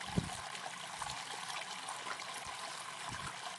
Dwe mabiro abodhii nam chumbi